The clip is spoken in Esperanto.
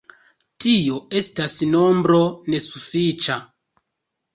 Tio estas nombro nesufiĉa.